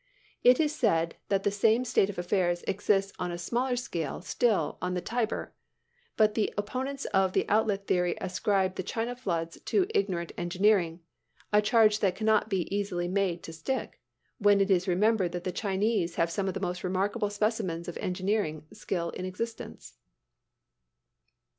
It is said that the same state of affairs exists on a smaller scale still on the Tiber. But the opponents of the outlet theory ascribe the China floods to ignorant engineering a charge that can not be easily made to stick, when it is remembered that the Chinese have some of the most remarkable specimens of engineering skill in existence.